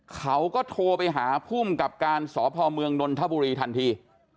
เขาก็โทรไปหาภูมิกับการสพเมืองนนทบุรีทันที